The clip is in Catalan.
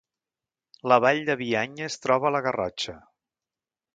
La Vall de Bianya es troba a la Garrotxa